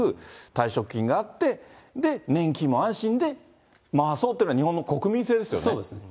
退職金があって、で、年金も安心で、回そうっていうのは、そうですね。